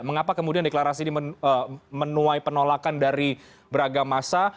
mengapa kemudian deklarasi ini menuai penolakan dari beragam masa